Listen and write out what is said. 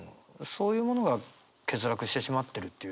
そういうものが欠落してしまってるっていう。